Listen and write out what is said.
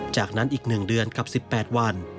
จากนั้นอีก๑เดือนกับ๑๘วัน